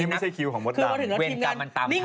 ว่าถึงรถถิ่นการมันตามพันธุ์